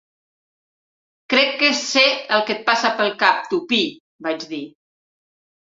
"Crec que sé el que et passa pel cap, Tuppy", vaig dir.